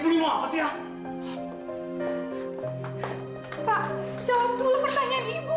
pak jawab dulu pertanyaan ibu